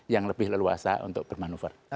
yang lebih leluasa untuk bermanuver